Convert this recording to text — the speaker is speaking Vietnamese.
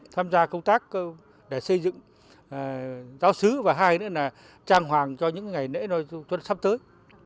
tham gia công tác để xây dựng giáo sứ và hai nữa là trang hoàng cho những ngày nễ sắp tới